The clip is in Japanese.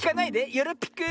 よろぴく。